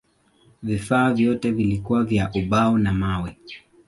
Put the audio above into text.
Vifaa vyote vilikuwa vya ubao na mawe.